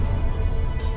nek ini gayungnya nek